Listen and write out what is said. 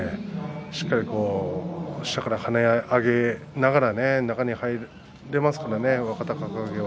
しっかりと下から跳ね上げながら中に入れますからね。